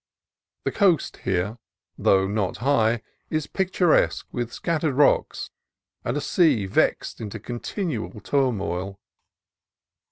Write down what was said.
The coast here, though not high, is pictur esque with scattered rocks and a sea vexed into con tinual turmoil.